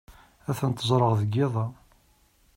Ad tent-ẓreɣ deg yiḍ-a.